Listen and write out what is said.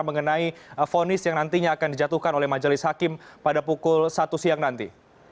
mengenai fonis yang nantinya akan dijatuhkan oleh majelis hakim pada pukul satu siang nanti